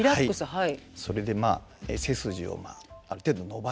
はい。